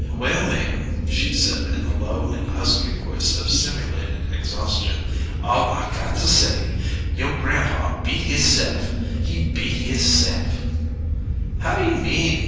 "Well, ma'am," she said, in the low and husky voice of simulated exhaustion, "all I got to say: you' grampaw beat hisse'f! He beat hisse'f!" "How d'you mean?